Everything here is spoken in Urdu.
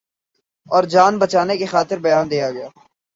اورجان بچانے کی خاطر بیان دیاگیا۔